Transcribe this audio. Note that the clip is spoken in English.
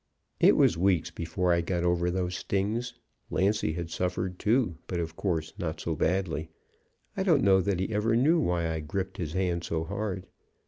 "It was weeks before I got over those stings. Lancy had suffered, too, but of course not so badly. I don't know that he ever knew why I gripped his hand so hard.